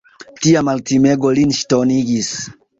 Tia maltimego lin ŝtonigis.